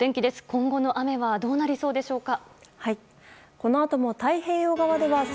今後の雨はどうなりそうでしょうか。